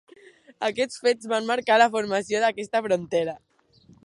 Aquests fets van marcar la formació d'aquesta frontera.